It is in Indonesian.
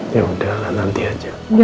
yaudah nanti aja